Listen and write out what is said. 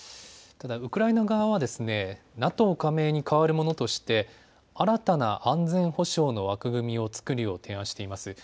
ただウクライナ側はＮＡＴＯ加盟に代わるものとして新たな安全保障の枠組みを作るよう提案しています。